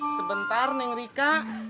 sebentar neng rika